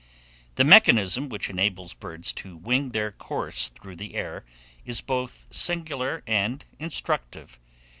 THE MECHANISM WHICH ENABLES BIRDS to wing their course through the air, is both singular and instructive.